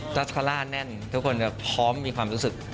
ัสคาร่าแน่นทุกคนจะพร้อมมีความรู้สึก